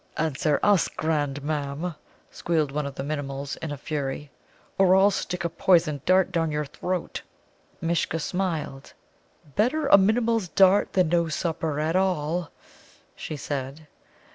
"Answer us, grandam," squealed one of the Minimuls in a fury, "or I'll stick a poisoned dart down your throat." Mishcha smiled. "Better a Minimul's dart than no supper at all," she said.